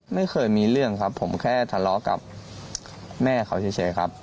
ไม่เคยมีเรื่องครับผมแค่ทะเลาะกับแม่เขาเฉยครับ